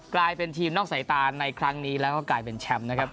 กลายเป็นทีมนอกสายตาในครั้งนี้แล้วก็กลายเป็นแชมป์นะครับ